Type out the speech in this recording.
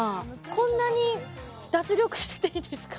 こんなに脱力してていいですか？